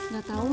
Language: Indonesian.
gak tau mak